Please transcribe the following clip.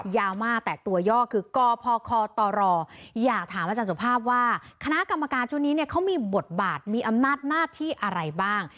ยาวมากแต่ตัวย่อคือกพคตรอยากถามอาจารย์สุภาพว่าคณะกรรมการชุดนี้เนี่ยเขามีบทบาทมีอำนาจหน้าที่อะไรบ้าง